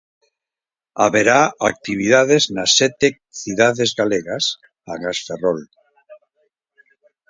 Haberá actividades nas sete cidades galegas, agás Ferrol.